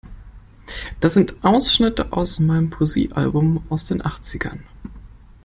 Das sind Ausschnitte aus meinem Poesiealbum aus den Achtzigern.